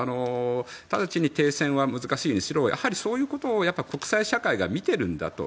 直ちに停戦は難しいにしろやはり、そういうことを国際社会が見てるんだと。